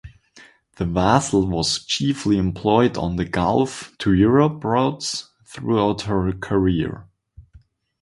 The vessel was chiefly employed on the Gulf to Europe routes throughout her career.